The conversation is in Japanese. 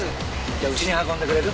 じゃあうちに運んでくれる？